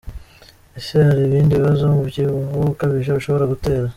Ese hari ibindi bibazo umubyibuho ukabije ushobora gutera? .